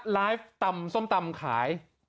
ตำส้มตำขาย